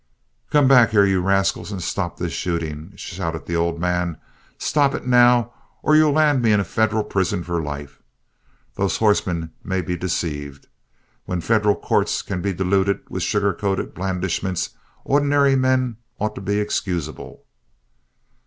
"Come back here, you rascals, and stop this shooting!" shouted the old man. "Stop it, now, or you'll land me in a federal prison for life! Those horsemen may be deceived. When federal courts can be deluded with sugar coated blandishments, ordinary men ought to be excusable."